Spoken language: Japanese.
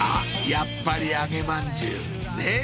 やっぱり揚げまんじゅうねっ